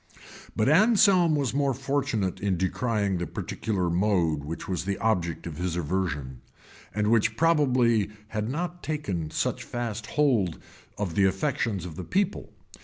2369] But Anselm was more fortunate in decrying the particular mode which was the object of his aversion, and which probably had not taken such fast hold of the affections of the people.